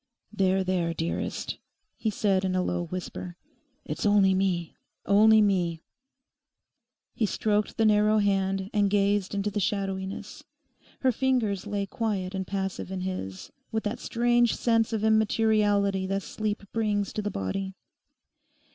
'There, there, dearest,' he said in a low whisper, 'it's only me, only me.' He stroked the narrow hand and gazed into the shadowiness. Her fingers lay quiet and passive in his, with that strange sense of immateriality that sleep brings to the body.